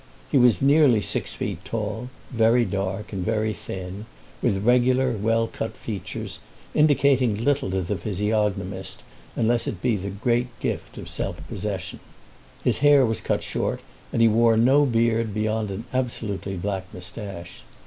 He was nearly six feet tall, very dark, and very thin, with regular, well cut features indicating little to the physiognomist unless it be the great gift of self possession. His hair was cut short, and he wore no beard beyond an absolutely black moustache.